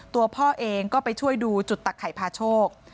ตัวพ่อเองก็ไปช่วยดูจุดตักไข่พาโชค